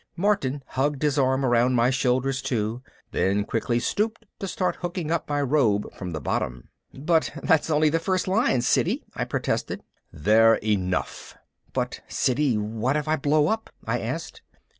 Martin hugged his arm around my shoulders too, then quickly stooped to start hooking up my robe from the bottom. "But that's only the first lines, Siddy," I protested. "They're enough!" "But Siddy, what if I blow up?" I asked.